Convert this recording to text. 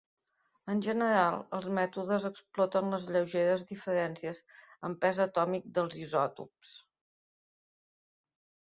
En general els mètodes exploten les lleugeres diferències en pes atòmic dels isòtops.